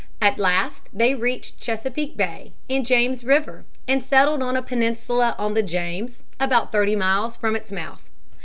At last they reached Chesapeake Bay and James River and settled on a peninsula on the James, about thirty miles from its mouth.